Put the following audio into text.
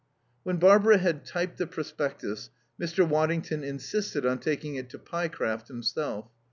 When Barbara had typed the prospectus, Mr. Waddington insisted on taking it to Pyecraft himself.